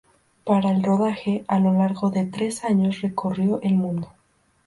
Para el rodaje, a lo largo de tres años recorrió el mundo.